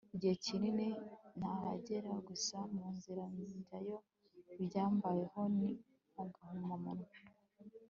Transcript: igihe kinini ntahagera gusa mu nzira njyayo ibyambaye ho ni agahumamunwa